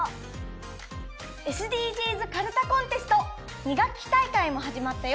ＳＤＧｓかるたコンテスト２学期大会もはじまったよ。